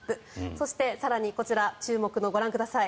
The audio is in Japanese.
そして更にこちら注目のご覧ください。